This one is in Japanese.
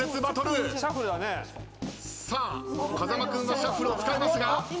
さあ風間君がシャッフルを使えますが。